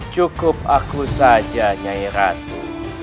cukup aku saja nyai ratu